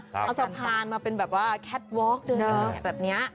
เอาสะพานมาเป็นแบบว่าแคทวอล์กเดินแบบนี้